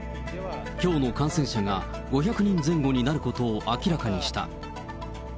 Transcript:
きょうの感染者が５００人前後になることを明らかにした。